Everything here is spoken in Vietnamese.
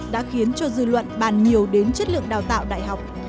đã khiến cho dư luận bàn nhiều đến chất lượng đào tạo đại học